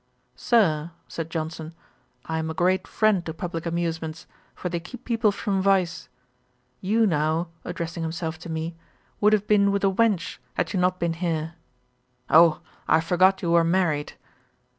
'Sir, (said Johnson,) I am a great friend to publick amusements; for they keep people from vice. You now (addressing himself to me,) would have been with a wench, had you not been here. O! I forgot you were married.'